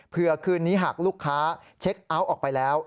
เพื่อคืนนี้หากลูกค้าเช็คเอาท์ออกไปแล้ว